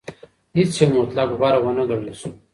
هیڅ یو مطلق غوره ونه ګڼل شو.